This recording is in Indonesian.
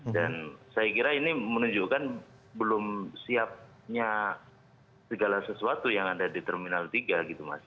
dan saya kira ini menunjukkan belum siapnya segala sesuatu yang ada di terminal tiga gitu mas